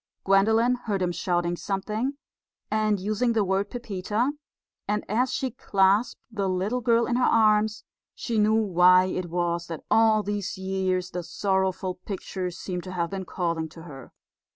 Gwendolen heard him shouting something and using the word Pepita; and as she clasped the little girl in her arms she knew why it was that all these years the sorrowful picture seemed to have been calling to her.